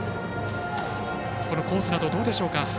このコースなど、どうでしょうか。